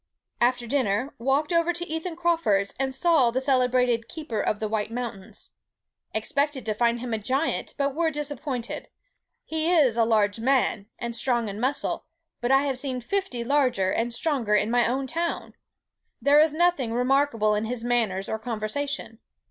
"After dinner walked over to Ethan Crawford's, and saw the celebrated 'Keeper of the White Mountains.' Expected to find him a giant, but were disappointed: he is a large man, and strong in muscle, but I have seen fifty larger and stronger in my own town. There is nothing remarkable in his manners or conversation.